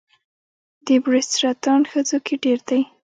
د بریسټ سرطان ښځو کې ډېر دی.